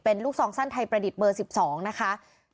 เป็นลูกซองสั้นไทยประดิษฐ์เบอร์๑๒นะคะ